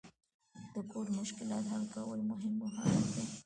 د کوډ مشکلات حل کول مهم مهارت دی.